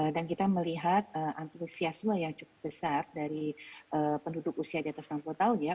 dan kita melihat antusiasme yang cukup besar dari penduduk usia di atas enam puluh tahun ya